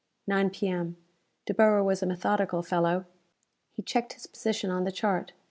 9 P.M. De Boer was a methodical fellow. He checked his position on the chart.